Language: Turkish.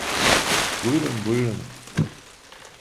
Buyurun, buyurun.